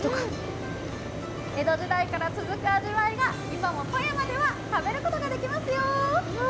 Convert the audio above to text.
江戸時代から続く味わいが今も富山では食べることができますよ。